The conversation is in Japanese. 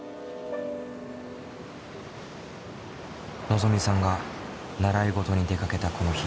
のぞみさんが習い事に出かけたこの日。